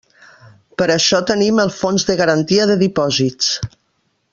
Per això tenim el Fons de Garantia de Dipòsits.